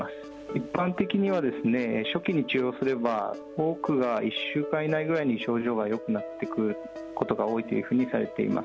一般的にはですね、初期に治療すれば、多くが１週間以内ぐらいに症状がよくなってくることが多いというふうにされています。